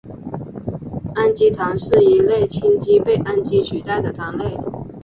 氨基糖是一类羟基被氨基取代的糖类。